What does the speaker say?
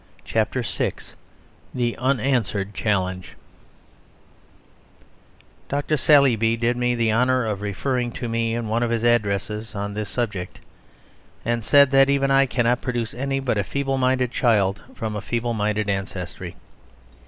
CHAPTER VI THE UNANSWERED CHALLENGE Dr. Saleeby did me the honour of referring to me in one of his addresses on this subject, and said that even I cannot produce any but a feeble minded child from a feeble minded ancestry.